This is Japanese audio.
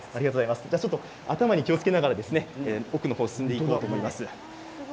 頭に気をつけながら奥の方に進んでいきたいと思います。